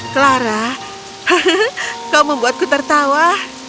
clara kau membuatku tertawa